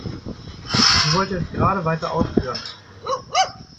Sie wollte es gerade weiter ausführen.